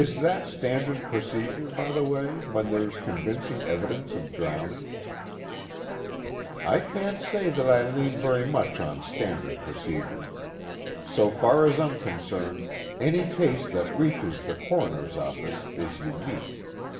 "Is that standard procedure, by the way, when there's convincing evidence of drowning?" "I can't say that I lean very much on standard procedure. So far as I'm concerned, any case that reaches the Coroner's office is unique.